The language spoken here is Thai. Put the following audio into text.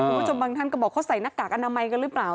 คุณผู้ชมบางท่านก็บอกเขาใส่หน้ากากอนามัยกันหรือเปล่า